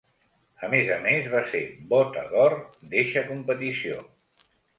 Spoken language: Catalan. A més a més, va ser Bota d'Or d'eixa competició.